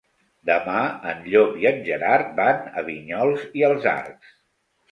Demà en Llop i en Gerard van a Vinyols i els Arcs.